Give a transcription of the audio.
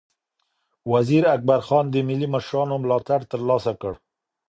وزیر اکبرخان د ملي مشرانو ملاتړ ترلاسه کړ.